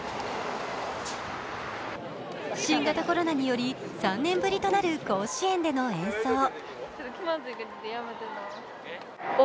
新型コロナにより３年ぶりとなる甲子園での演奏。